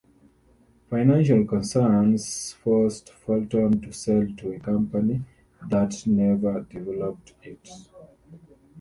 Financial concerns forced Fulton to sell to a company that never developed it.